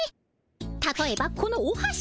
たとえばこのおはし。